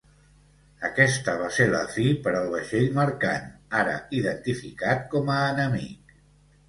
Aquest va ser la fi per al vaixell mercant, ara identificat com a enemic.